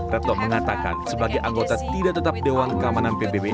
retno mengatakan sebagai anggota tidak tetap dewan keamanan pbb